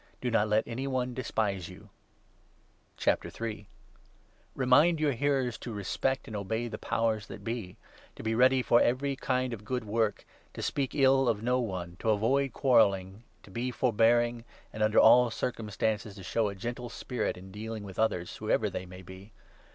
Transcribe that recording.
Do not let any one despise Teaching. vou Remind your hearers to respect and i obey the Powers that be, to be ready for every kind of good work, to speak ill of no one, to avoid quarrelling, to be forbearing, 2 and under all circumstances to show a gentle spirit in dealing with others, whoever they may be.